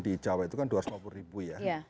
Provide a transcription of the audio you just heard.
di jawa itu kan dua ratus lima puluh ribu ya